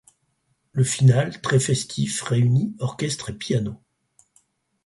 Le finale très festif réunit orchestre et piano.